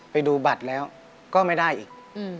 ไปดูบัตรแล้วก็ไม่ได้อีก